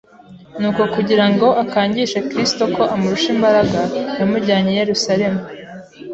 Nuko kugira ngo akangishe Kristo ko amurusha imbaraga, yamujyanye i Yerusalumu